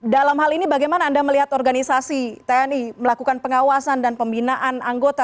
dalam hal ini bagaimana anda melihat organisasi tni melakukan pengawasan dan pembinaan anggota